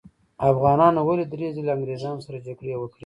افغانانو ولې درې ځلې له انګریزانو سره جګړې وکړې؟